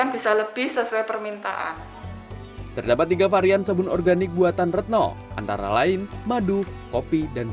bisa lebih sesuai permintaan terdapat tiga varian sabun organik buatan retno antara lain madu kopi dan